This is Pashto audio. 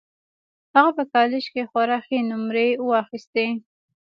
هغه په کالج کې خورا ښې نومرې واخيستې